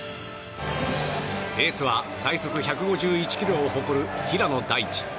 エースは最速１５１キロを誇る平野大地。